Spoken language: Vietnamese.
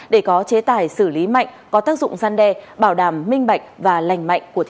để có chế tài xử lý mạnh có tác dụng gian đe bảo đảm minh bạch và lành mạnh của